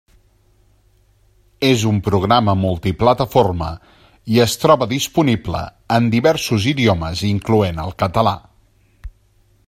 És un programa multiplataforma i es troba disponibles en diversos idiomes incloent el català.